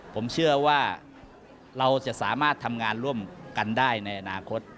ผมเชื่อว่าเราจะสามารถทำงานร่วมกันได้ในอนาคต